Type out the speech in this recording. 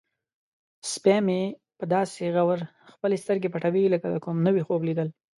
سپی مې داسې په غور خپلې سترګې پټوي لکه د کوم نوي خوب لیدل.